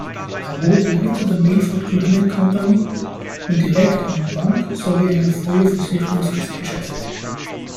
Er wurde Leiter der "Milford Granite Company" und Direktor einer Bank sowie einer Feuerversicherungsgesellschaft.